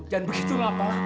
jangan begitu lho pak